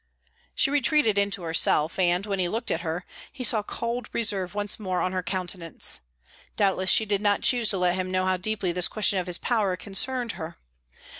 She retreated into herself, and, when he looked at her, he saw cold reserve once more on her countenance. Doubtless she did not choose to let him know how deeply this question of his power concerned her.